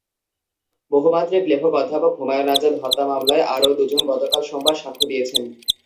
বহুমাত্রিক লেখক অধ্যাপক হুমায়ুন আজাদ হত্যা মামলায় আরও দুজন গতকাল সোমবার সাক্ষ্য দিয়েছেন।